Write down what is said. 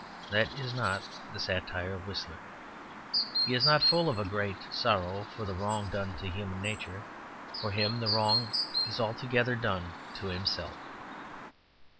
That is not the satire of Whistler. He is not full of a great sorrow for the wrong done to human nature; for him the wrong is altogether done to himself.